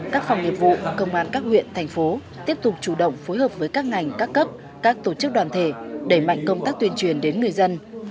các phòng nghiệp vụ công an các huyện thành phố tiếp tục chủ động phối hợp với các ngành các cấp các tổ chức đoàn thể đẩy mạnh công tác tuyên truyền đến người dân